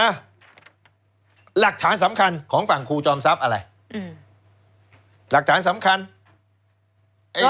หลักฐานสำคัญของฝั่งครูจอมทรัพย์อะไร